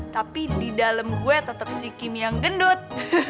tapi di dalam gue tetep si kimi yang gendut